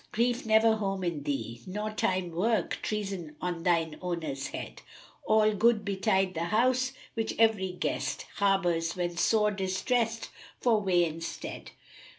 Grief never home in thee; * Nor Time work treason on thine owner's head: All good betide the House which every guest * Harbours, when sore distrest for way and stead!"